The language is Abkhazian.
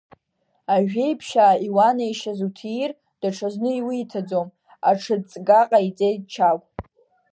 Ажәеиԥшьаа иуанеишьаз уҭиир, даҽазны иуиҭаӡом, аҽыҵга ҟаиҵеит Чагә…